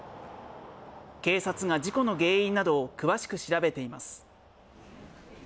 警察が事故の原因などを詳しく調べています。